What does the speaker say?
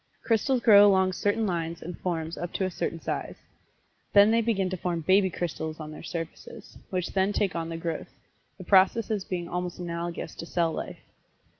Crystals grow along certain lines and forms up to a certain size. Then they begin to form "baby crystals" on their surfaces, which then take on the growth the processes being almost analogous to cell life.